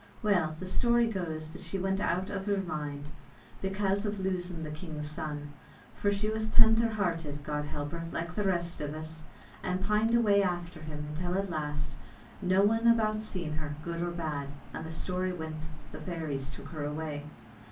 Well, the story goes that she went out iv her mind, bekase av loosin' the king's son for she was tendher hearted, God help her, like the rest iv us! and pined away after him, until at last, no one about seen her, good or bad; and the story wint that the fairies took her away.